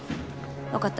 分かった。